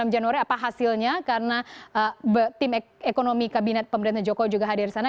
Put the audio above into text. dua puluh enam januari apa hasilnya karena tim ekonomi kabinet pemerintah joko juga hadir sana